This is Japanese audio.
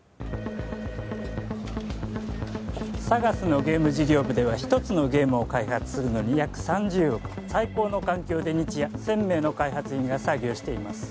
ＳＡＧＡＳのゲーム事業部では一つのゲームを開発するのに約３０億最高の環境で日夜１０００名の開発員が作業しています